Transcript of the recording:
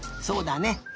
そうだね。